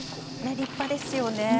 立派ですよね。